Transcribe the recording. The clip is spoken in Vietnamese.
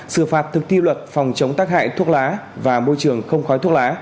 xử phạt thực thi luật phòng chống tác hại thuốc lá và môi trường không khói thuốc lá